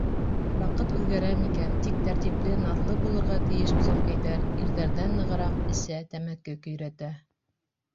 Ваҡыт үҙгәрәме икән, тик тәртипле, наҙлы булырға тейеш гүзәлкәйҙәр ирҙәрҙән нығыраҡ эсә, тәмәке көйрәтә.